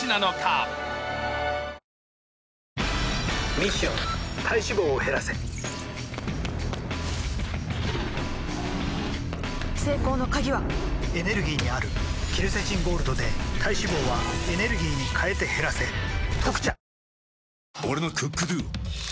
ミッション体脂肪を減らせ成功の鍵はエネルギーにあるケルセチンゴールドで体脂肪はエネルギーに変えて減らせ「特茶」